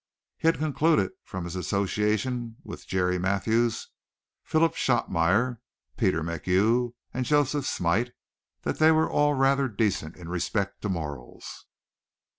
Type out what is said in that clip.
He had concluded from his association with Jerry Mathews, Philip Shotmeyer, Peter MacHugh and Joseph Smite that they were all rather decent in respect to morals.